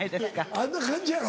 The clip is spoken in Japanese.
あんな感じやろ？